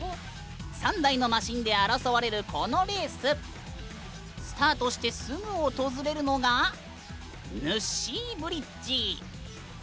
３台のマシーンで争われるこのレース。スタートしてすぐ訪れるのがぬっしーブリッジ。